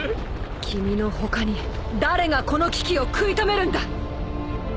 君の他に誰がこの危機を食い止めるんだ！